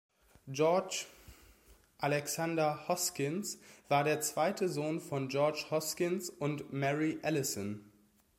George Alexander Hoskins war der zweite Sohn von George Hoskins und Mary Alison.